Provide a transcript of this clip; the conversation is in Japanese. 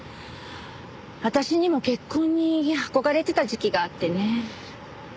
私にも結婚に憧れてた時期があってね。